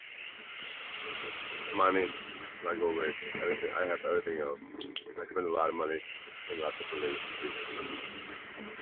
These works can be observed at the Precious Moments Chapel in Carthage, Missouri.